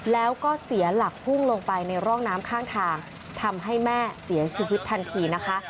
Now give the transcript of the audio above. แล้วก็เสียหลักพุ่งลงไปในร่องน้ำข้างทางทำให้แม่เสียชีวิตทันทีนะคะ